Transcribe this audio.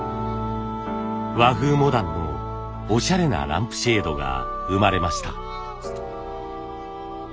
和風モダンのおしゃれなランプシェードが生まれました。